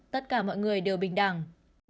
tất cả mọi người đều bình đẳng